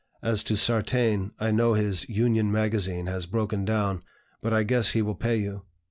As to Sartain, I know his '(Union) Magazine' has broken down, but I guess he will pay you.